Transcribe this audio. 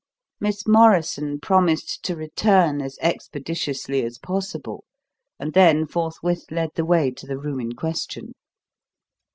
Miss Morrison promised to return as expeditiously as possible, and then forthwith led the way to the room in question.